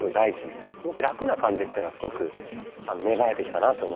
すごくラクな感じっていうのがすごく芽生えてきたなと思いますね。